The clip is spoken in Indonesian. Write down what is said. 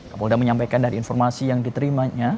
kapolda menyampaikan dari informasi yang diterimanya